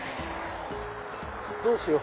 どうしよう。